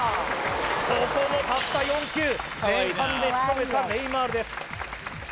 ここもたった４球前半で仕留めたネイマールです